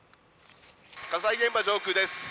火災現場上空です。